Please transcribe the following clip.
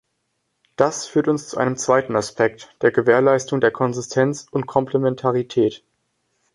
Das führt uns zu einem zweiten Aspekt, der Gewährleistung der Konsistenz und Komplementarität.